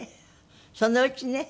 そのうちね